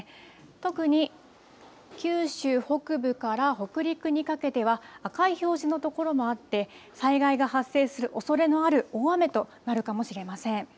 特に九州北部から北陸にかけては赤い表示の所もあって災害が発生するおそれのある所もある大雨となるかもしれません。